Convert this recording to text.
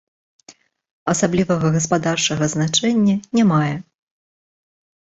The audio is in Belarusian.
Асаблівага гаспадарчага значэння не мае.